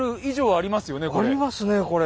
ありますねこれ。